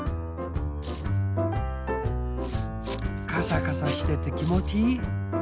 カサカサしててきもちいい。